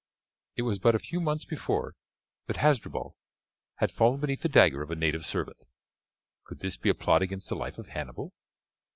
It was but a few months before that Hasdrubal had fallen beneath the dagger of a native servant. Could this be a plot against the life of Hannibal?